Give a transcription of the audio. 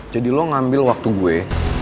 jadi lo ngambil waktu gue